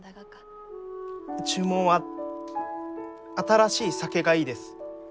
注文は新しい酒がいいです。